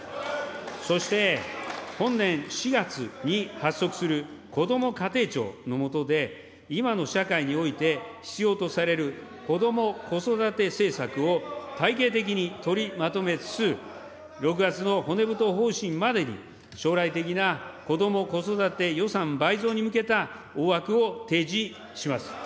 そして、本年４月に発足するこども家庭庁の下で、今の社会において、必要とされる子ども・子育て政策を体系的に取りまとめつつ、６月の骨太方針までに、将来的な子ども・子育て予算倍増に向けた大枠を提示します。